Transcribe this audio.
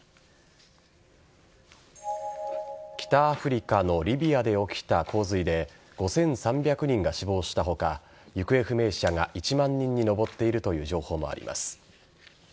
北アフリカのリビアで起きた洪水で５３００人が死亡した他行方不明者が１万人に上っているという情報もあります。